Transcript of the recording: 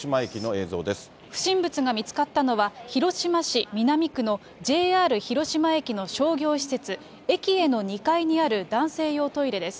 不審物が見つかったのは、広島市南区のＪＲ広島駅の商業施設、えきえの２階にある男性用トイレです。